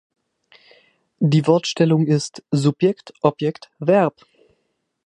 Die Wortstellung ist Subjekt-Objekt-Verb.